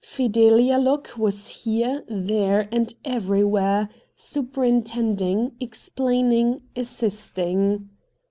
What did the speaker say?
Fidelia Locke was here, there, and everywhere — superintending, explaining, assisting.